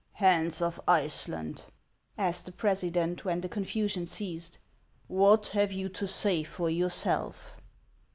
" Hans of Iceland," asked the president, when the con fasion ceased, " what have you to .say for yourself